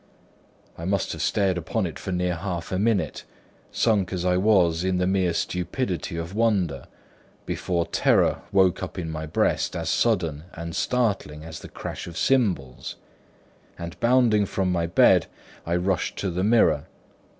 I must have stared upon it for near half a minute, sunk as I was in the mere stupidity of wonder, before terror woke up in my breast as sudden and startling as the crash of cymbals; and bounding from my bed I rushed to the mirror.